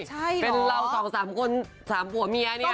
ใช่เหรอเป็นเรา๒๓คนสามผัวเมียนี่